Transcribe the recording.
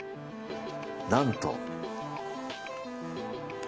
なんと。